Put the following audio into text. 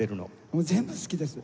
もう全部好きです。